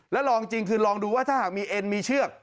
แล้วลองจริงคือลองดูว่าถ้าหากมีเอ็นมีเชือก